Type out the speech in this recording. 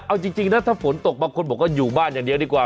เอาจริงนะถ้าฝนตกบางคนบอกว่าอยู่บ้านอย่างเดียวดีกว่า